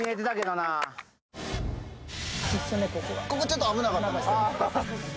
ここちょっと危なかったんですよね。